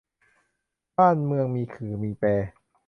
บ้านเมืองมีขื่อมีแป